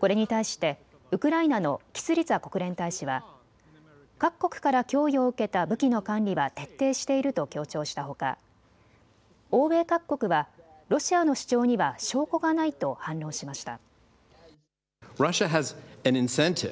これに対してウクライナのキスリツァ国連大使は各国から供与を受けた武器の管理は徹底していると強調したほか欧米各国はロシアの主張には証拠がないと反論しました。